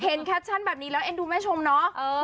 แคปชั่นแบบนี้แล้วเอ็นดูแม่ชมเนาะ